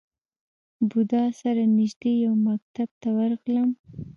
بودا سره نژدې یو مکتب ته ورغلم.